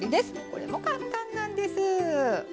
これも簡単なんです。